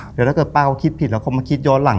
เดี๋ยวถ้าเกิดป้าเขาคิดผิดแล้วเขามาคิดย้อนหลัง